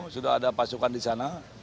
sudah ada pasukan disana